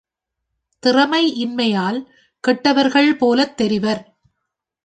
திறமை இன்மையால் கெட்டவர்கள் போலத் தெரிவர்.